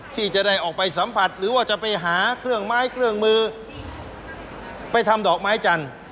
ที่จะได้ออกไปสัมผัสหรือว่าจะไปหาเครื่องไม้เครื่องมือไปทำดอกไม้จันทร์